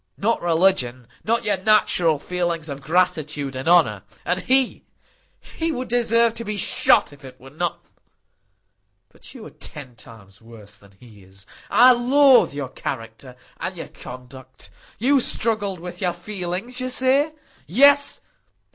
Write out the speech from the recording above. "Not religion; not your natural feelings of gratitude and honour. And he—he would deserve to be shot, if it were not——But you are ten times worse than he is. I loathe your character and your conduct. You struggled with your feelings, you say. Yes!